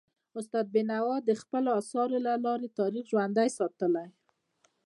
استاد بینوا د خپلو اثارو له لارې تاریخ ژوندی ساتلی.